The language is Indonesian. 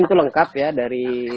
itu lengkap ya dari